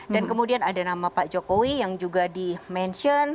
dan kemudian ada nama pak jokowi yang juga di mention